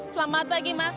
selamat pagi mas